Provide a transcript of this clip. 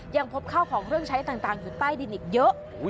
ยังพบข้าวของเครื่องใช้ต่างอยู่ใต้ดินอีกเยอะ